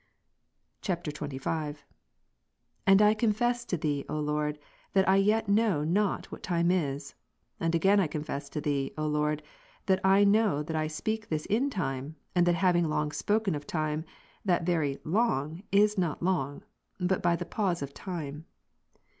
[XXV.] 32. And I confess to Thee, O Lord, that I yet know not what time is, and again I confess unto Thee, O Lord, that I know that I speak this in time, and that having long spoken of time, that very " long" is not long, but by the pause of time.